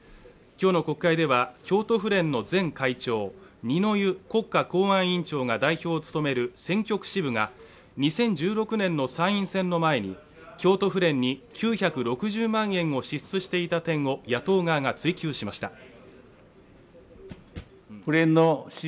今日の国会では京都府連の前会長二之湯国会公安委員長が代表を務める選挙区治部が２０１６年の参院選の前に京都府連に９６０万円を支出していた点を野党側が追及しました。